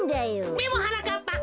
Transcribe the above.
でもはなかっぱ